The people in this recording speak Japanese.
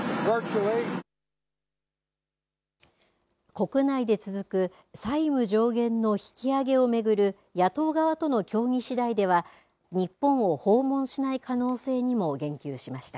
国内で続く債務上限の引き上げを巡る野党側との協議次第では日本を訪問しない可能性にも言及しました。